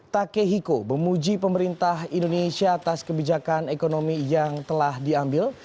takehiko memuji pemerintah indonesia atas kebijakan ekonomi yang telah diambil